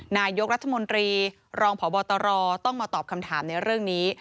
นายกรัฐมนตรีรองพบตรต้องมาตอบคำถามในเรื่องนี้